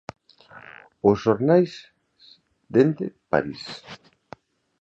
Os xornais dende París.